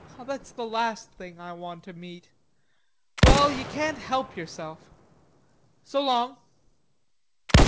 "That's the last thing I want to meet." "Well, you can't help yourself. So long!"